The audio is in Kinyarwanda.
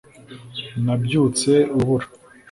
Nabyutse urubura